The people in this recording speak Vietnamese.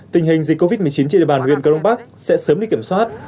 tình hình dịch covid một mươi chín trên địa bàn nguyên cơ đông bắc sẽ sớm đi kiểm soát